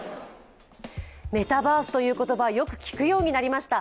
メタバースという言葉、よく聞くようになりました。